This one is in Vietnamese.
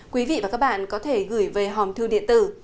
quý vị và các bạn có thể gửi về hòm thư điện tử